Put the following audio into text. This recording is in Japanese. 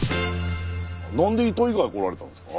何で糸魚川に来られたんですか？